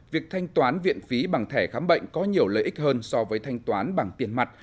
việc thanh toán viện phí bằng thẻ khám bệnh có nhiều lợi ích hơn so với thanh toán bằng tiền mặt